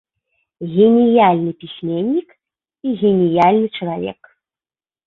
Геніяльны пісьменнік і геніяльны чалавек.